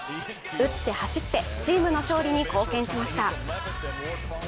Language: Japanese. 打って走って、チームの勝利に貢献しました。